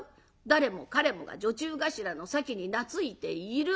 誰も彼もが女中頭のさきに懐いている。